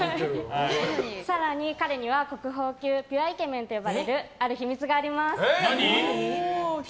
更に、彼には国宝級ピュアイケメンと呼ばれるある秘密があります。